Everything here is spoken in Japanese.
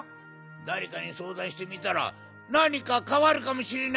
だれかにそうだんしてみたらなにかかわるかもしれないっちゃ。